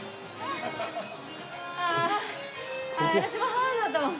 私もハードだったもん。